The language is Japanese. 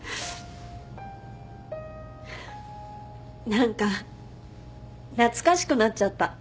何か懐かしくなっちゃった。